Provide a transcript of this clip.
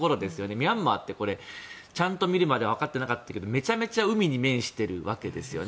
ミャンマーってちゃんと見るまで分かってなかったけどめちゃめちゃ海に面しているわけですね。